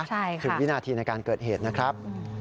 ใช่ค่ะคือวินาทีในการเกิดเหตุนะครับ